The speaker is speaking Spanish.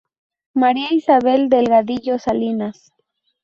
María Isabel Delgadillo Salinas.